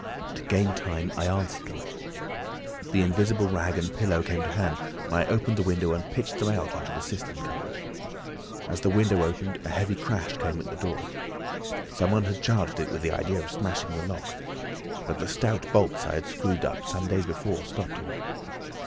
To gain time I answered them. The invisible rag and pillow came to hand and I opened the window and pitched them out on to the cistern cover. As the window opened, a heavy crash came at the door. Someone had charged it with the idea of smashing the lock. But the stout bolts I had screwed up some days before stopped him.